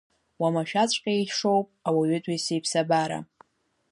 Уамашәаҵәҟьа ишоуп ауаҩытәыҩса иԥсабара!